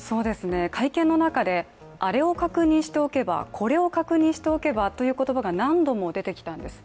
会見の中で、あれを確認しておけばこれを確認しておけばという言葉が何度も出てきたんです。